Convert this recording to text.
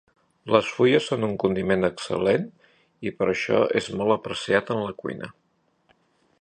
Les fulles són un condiment excel·lent i per això és molt apreciat en la cuina.